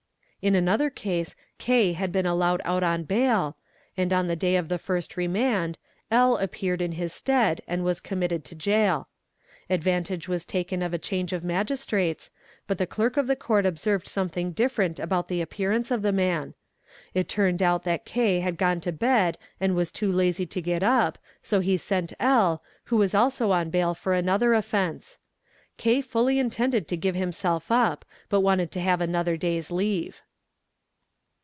In another case K had 'been allowed out on bail, and on the day of the first remand L appeared in his stead and was committed to jail. Advantage was taken of a change of Magistrates, but the clerk of the Court observed something different about the appearance of the man. It turned out that K had gone to bed and was too lazy to get up, so he sent L who was also on bail for another offence. K fully intended to give himself up but wanted to have another day's leave.